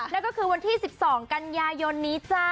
นั่นก็คือวันที่๑๒กันยายน